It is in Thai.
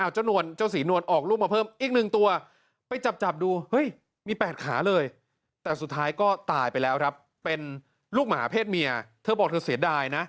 เจ้าศรีนวลออกลูกมาเพิ่มอีก๑ตัวไปจับจับดูเฮ้ยมี๘ขาเลยแต่สุดท้ายก็ตายไปแล้วครับเป็นลูกหมาเพศเมียเธอบอกเธอเสียดายนะ